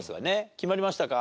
決まりましたか？